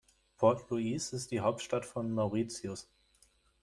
Port Louis ist die Hauptstadt von Mauritius.